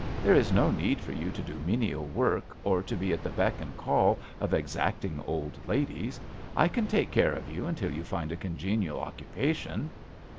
There is no need for you to do menial work or be at the beck and call of exacting old ladies. I can take care of you until you find a congenial occupa tion."